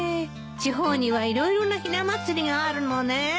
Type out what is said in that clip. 地方には色々なひな祭りがあるのねえ。